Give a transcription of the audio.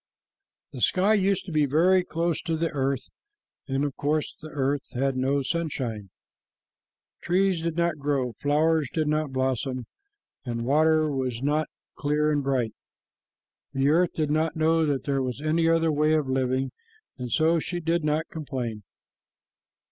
The sky used to be very close to the earth, and of course the earth had no sunshine. Trees did not grow, flowers did not blossom, and water was not clear and bright. The earth did not know that there was any other way of living, and so she did not complain.